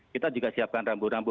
kita juga siapkan rambu rambu